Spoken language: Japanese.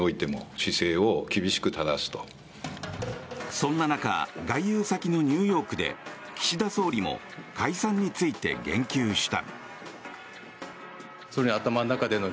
そんな中外遊先のニューヨークで岸田総理も解散について言及した。